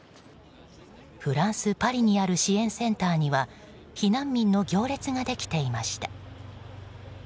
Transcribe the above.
フランス・パリにある支援センターには避難民の行列ができていました。